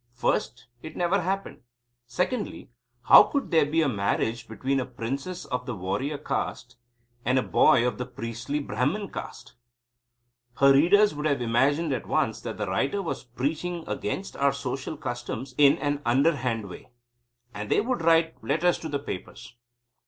First, it never happened. Secondly, how could there be a marriage between a princess of the Warrior Caste and a boy of the priestly Brahman Caste? Her readers would have imagined at once that the writer was preaching against our social customs in an underhand way. And they would write letters to the papers.